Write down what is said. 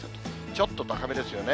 ちょっと高めですよね。